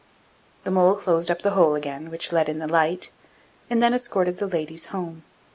The mole closed up the hole again which let in the light, and then escorted the ladies home.